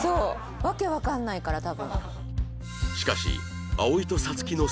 訳わかんないから多分。